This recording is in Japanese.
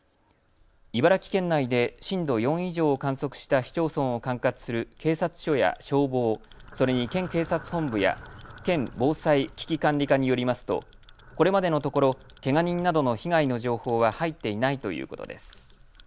茨城県内で、震度４以上を観測した市町村を管轄する警察署や消防それに県警察本部や県防災・危機管理課によりますとこれまでのところけが人などの被害の情報は入っていないということです。